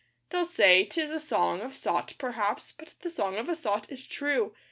They'll say 'tis a 'song of a sot,' perhaps, but the Song of a Sot is true.